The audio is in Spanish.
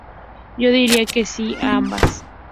Yo diría que sí a ambas".